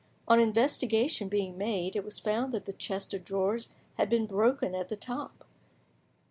On investigation being made, it was found that the chest of drawers had been broken at the top.